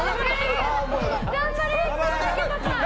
頑張れ！